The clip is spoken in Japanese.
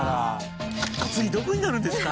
次どこになるんですか？